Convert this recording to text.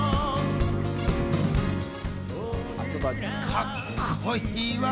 かっこいいわ！